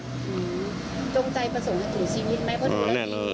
อืมจงใจประสงค์กับถุงชีวิตไหมเพราะดูแล้วเองอ๋อแน่นอน